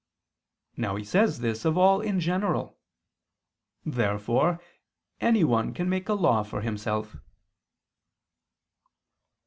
Now he says this of all in general. Therefore anyone can make a law for himself.